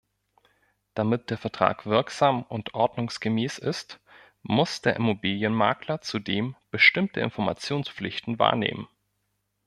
Damit der Vertrag wirksam und ordnungsgemäß ist, muss der Immobilienmakler zudem bestimmte Informationspflichten wahrnehmen.